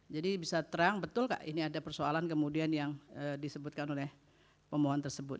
jadi bisa terang betul gak ini ada persoalan kemudian yang disebutkan oleh pemohon tersebut